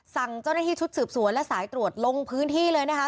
สั่งเจ้าหน้าที่ชุดสืบสวนและสายตรวจลงพื้นที่เลยนะคะ